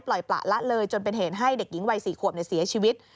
ประละเลยจนเป็นเหตุให้เด็กหญิงวัย๔ขวบเสียชีวิต